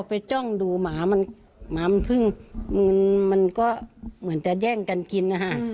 พอไปจ้องดูหมามันก็เหมือนจะแย่งกันกิน